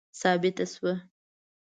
ثابته سوه.